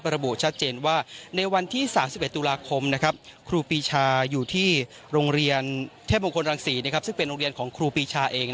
ระบุชัดเจนว่าในวันที่๓๑ตุลาคมครูปีชาอยู่ที่โรงเรียนเทพมงคลรังศรีซึ่งเป็นโรงเรียนของครูปีชาเอง